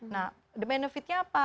nah the benefitnya apa